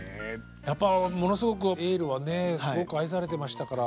やっぱものすごく「エール」はねすごく愛されてましたから。